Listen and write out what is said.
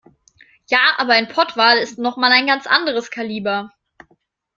Ja, aber ein Pottwal ist noch mal ein ganz anderes Kaliber.